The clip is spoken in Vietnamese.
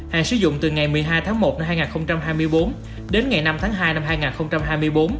hàng sử dụng từ ngày một mươi hai tháng một năm hai nghìn hai mươi bốn đến ngày năm tháng hai năm hai nghìn hai mươi bốn